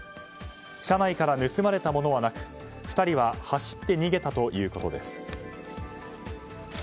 車内から盗まれたものはなく２人は走って逃げたということです。